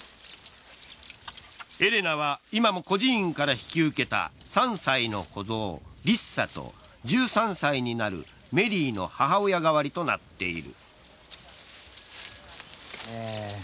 エレナは今も孤児院から引き受けた３歳の子象・リッサーと１３歳になるメリーの母親代わりとなっている。